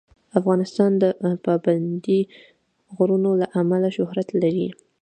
افغانستان د پابندی غرونه له امله شهرت لري.